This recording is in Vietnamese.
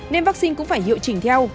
nên vaccine cũng phải hiệu chỉnh theo